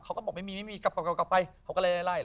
เค้าก็บอกไม่มีกลับไปเค้าก็ไล่